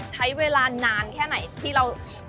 ใช้เวลานานแค่ไหนที่เรา